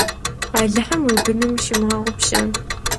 Alıhım yi bınım şimığeğupşe.